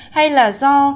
hay là do